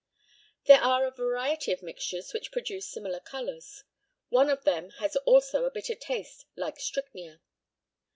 There are a variety of mixtures which produce similar colours. One of them has also a bitter taste like strychnia.